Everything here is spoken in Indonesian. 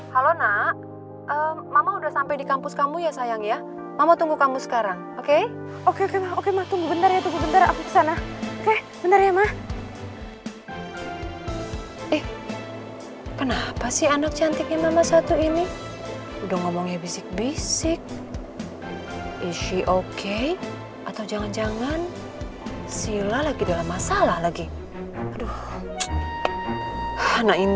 hah kalau rektor tau nanti kita kena skos lagi dong kayak semester kemarin